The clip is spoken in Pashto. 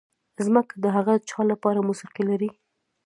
ځمکه د هغه چا لپاره موسیقي لري.